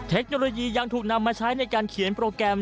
เทคโนโลยียังถูกนำมาใช้ในการเขียนโปรแกรม